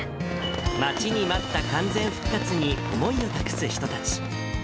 待ちに待った完全復活に思いを託す人たち。